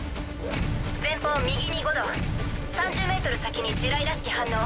前方右に５度３０メートル先に地雷らしき反応。